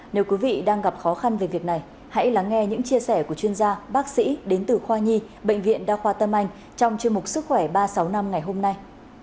nếu quý vị đang gặp khó khăn về việc này hãy lắng nghe những chia sẻ của chuyên gia bác sĩ đến từ khoa nhi bệnh viện đa khoa tâm anh trong chương mục sức khỏe ba trăm sáu mươi năm ngày hôm nay